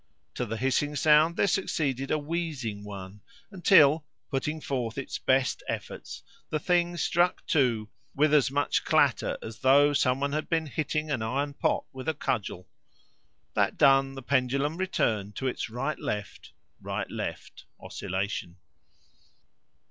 To the hissing sound there succeeded a wheezing one, until, putting forth its best efforts, the thing struck two with as much clatter as though some one had been hitting an iron pot with a cudgel. That done, the pendulum returned to its right left, right left oscillation.